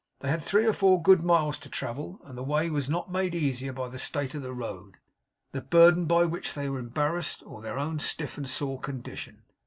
They had three or four good miles to travel; and the way was not made easier by the state of the road, the burden by which they were embarrassed, or their own stiff and sore condition.